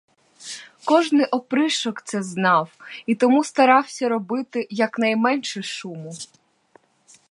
Кожний опришок це знав, і тому старався робити якнайменше шуму.